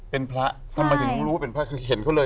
เป็นพระทำไมถึงรู้ว่าเป็นพระคือเห็นเขาเลย